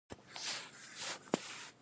په دې برخه کې د سون توکو ارزښت هم راځي